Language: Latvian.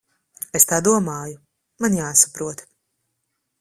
Es tā domāju. Man jāsaprot.